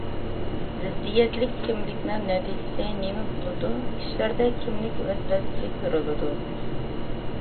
زىددىيەتلىك كىملىكنىڭ نەتىجىسى نېمە بولىدۇ؟ كىشىلەردە كىملىك ۋەسۋەسىسى كۆرۈلىدۇ.